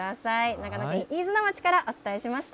長野県飯綱町からお伝えしました。